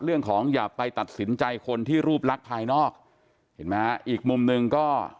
เรื่องของอย่าไปตัดสินใจคนที่รูปรักภายนอกเห็นไหมฮะอีกมุมหนึ่งก็